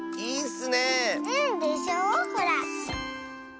うんでしょほら。